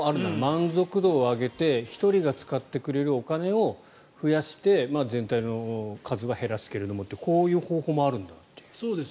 満足度を上げて１人が使ってくれるお金を増やして全体の数を減らすけどというこういう方法もあるんだっていう。